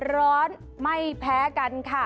ร้อนไม่แพ้กันค่ะ